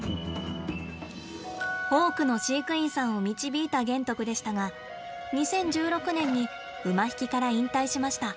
多くの飼育員さんを導いた玄徳でしたが２０１６年に馬引きから引退しました。